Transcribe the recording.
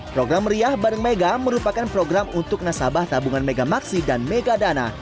program meriah bareng mega merupakan program untuk nasabah tabungan mega maksi dan mega dana